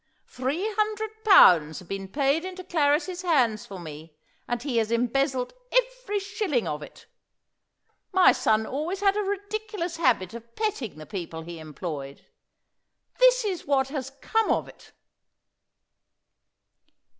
Three hundred pounds have been paid into Clarris's hands for me, and he has embezzled every shilling of it. My son always had a ridiculous habit of petting the people he employed. This is what has come of it."